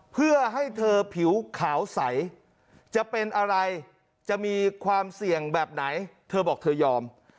เพื่อให้เธอผิวขาวใสจะเป็นอะไรจะมีความเสี่ยงแบบไหนเธอบอกเธอยอม